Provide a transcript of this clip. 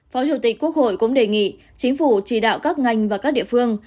phó chủ tịch quốc hội cũng đề nghị chính phủ chỉ đạo các ngành và các địa phương